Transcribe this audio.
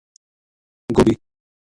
گوبھی